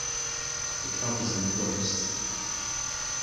The cab was enclosed.